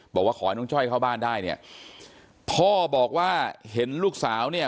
บอกว่าขอให้น้องจ้อยเข้าบ้านได้เนี่ยพ่อบอกว่าเห็นลูกสาวเนี่ย